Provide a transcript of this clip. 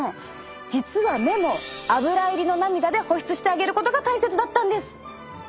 実は目もアブラ入りの涙で保湿してあげることが大切だったんです。